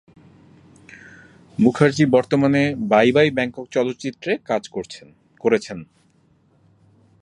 মুখার্জি বর্তমানে "bye bye Bangkok" চলচ্চিত্রে কাজ করেছেন।